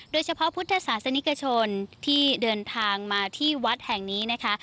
เฉพาะพุทธศาสนิกชนที่เดินทางมาที่วัดแห่งนี้นะคะ